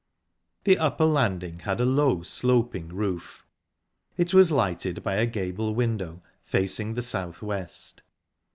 The upper landing had a low, sloping roof. It was lighted by a gable window facing the south west.